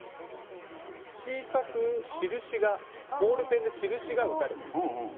小さく印が、ボールペンで印が打たれています。